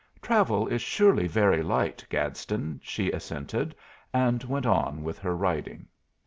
"Travel is surely very light, Gadsden," she assented, and went on with her writing.